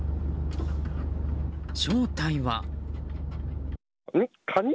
正体は。